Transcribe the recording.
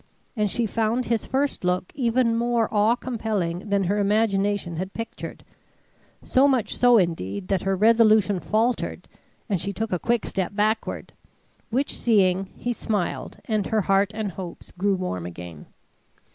And she found his first look even more awe compelling than her imagination had pictured; so much so indeed, that her resolution faltered, and she took a quick step backward; which seeing, he smiled and her heart and hopes grew warm again.